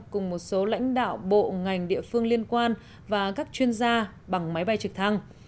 cùng một số lãnh đạo bộ ngành địa phương liên quan và các chuyên gia bằng máy bay trực thăng